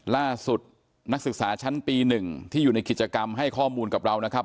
ล่าสุดนักศึกษาชั้นปี๑ที่อยู่ในกิจกรรมให้ข้อมูลกับเรานะครับ